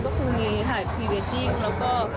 ก็มีถ่ายหัวพลิก